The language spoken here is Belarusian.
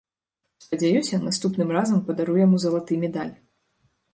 Спадзяюся, наступным разам падару яму залаты медаль.